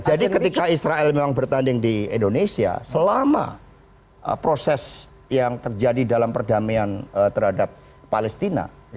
jadi ketika israel memang bertanding di indonesia selama proses yang terjadi dalam perdamaian terhadap palestina